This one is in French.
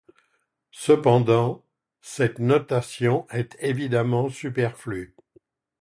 Cependant, cette notation est évidemment superflue.